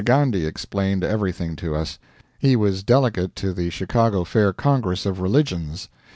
Gandhi explained every thing to us. He was delegate to the Chicago Fair Congress of Religions.